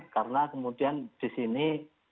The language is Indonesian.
karena kemudian disini